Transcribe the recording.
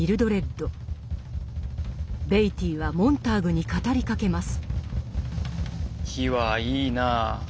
ベイティーはモンターグに語りかけます。